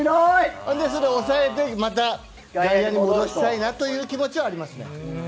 それを抑えてまた外野に戻したいなという気持ちはありますね。